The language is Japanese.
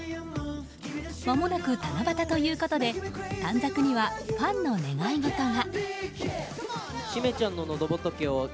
まもなく七夕ということで短冊にはファンの願い事が。